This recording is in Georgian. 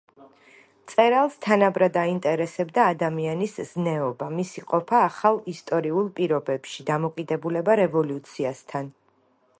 მწერალს თანაბრად აინტერესებდა ადამიანის ზნეობა, მისი ყოფა ახალ ისტორიულ პირობებში, დამოკიდებულება რევოლუციასთან.